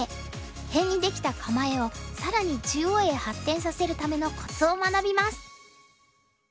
辺にできた構えを更に中央へ発展させるためのコツを学びます。